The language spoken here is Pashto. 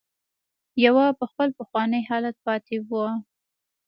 يوه په خپل پخواني حالت پاتې وه.